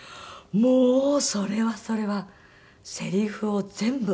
もうそれはそれはせりふを全部。